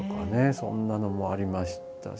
そんなのもありましたし。